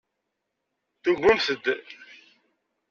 Tugmemt-d.